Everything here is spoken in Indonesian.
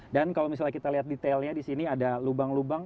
dan kalau misalnya kita lihat detailnya di sini ada lubang lubang